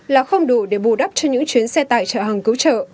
là không đủ để bù đắp cho những chuyến xe tài trợ hàng cứu trợ